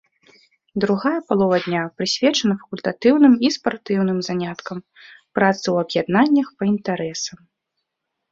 Другая палова дня прысвечана факультатыўным і спартыўным заняткам, працы ў аб'яднаннях па інтарэсам.